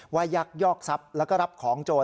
ยักยอกทรัพย์แล้วก็รับของโจร